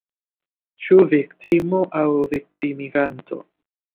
Ĉu viktimo – aŭ viktimiganto?